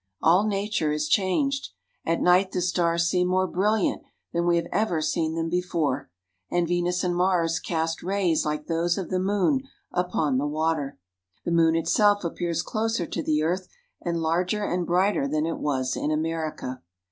All nature is changed. At night the stars seem more brilliant than we have ever seen them before ; and Venus and Mars cast rays like those of the moon upon the water. The moon itself appears closer to the earth, and larger and brighter than it was in America.